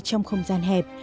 trong không gian hẹp